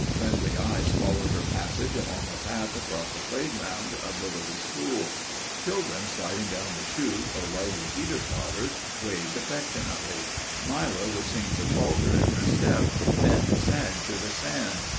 Friendly eyes followed her passage along a path across the playground of the little school. Children sliding down the chute or riding teeter boards, waved affectionately. Myra was seen to falter in her step, then sag to the sand.